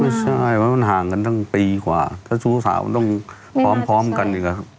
ไม่น่าไม่ใช่มันห่างกันตั้งปีกว่าถ้าชู้สาวต้องพร้อมพร้อมกันอยู่กับ